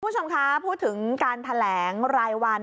ผู้ชมครับพูดถึงการแถลงรายวัน